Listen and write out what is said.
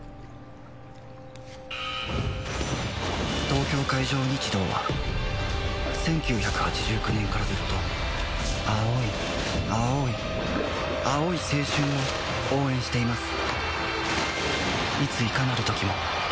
東京海上日動は１９８９年からずっと青い青い青い青春を応援しています